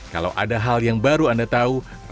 kalau ada hal yang baru anda tahu beri tahu di kolom komentar